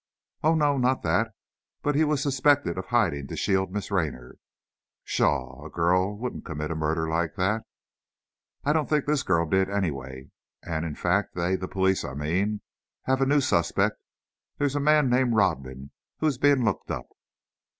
"Oh, no, not that; but he was suspected of hiding to shield Miss Raynor " "Pshaw! a girl wouldn't commit a murder like that." "I don't think this girl did, anyway. And, in fact, they the police I mean have a new suspect. There's a man named Rodman, who is being looked up."